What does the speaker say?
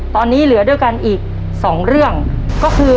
ต่อไปอีกหนึ่งข้อเดี๋ยวเราไปฟังเฉลยพร้อมกันนะครับคุณผู้ชม